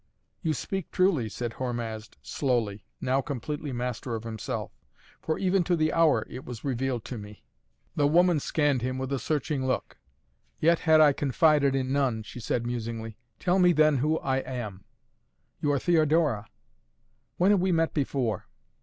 "You speak truly," said Hormazd slowly, now completely master of himself. "For even to the hour it was revealed to me!" The woman scanned him with a searching look. "Yet I had confided in none!" she said musingly. "Tell me then who I am!" "You are Theodora!" "When have we met before?"